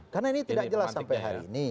karena ini tidak jelas sampai hari ini